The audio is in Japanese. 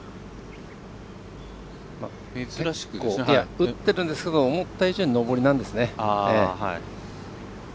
打ってるんですけど思った以上に上りなんですね。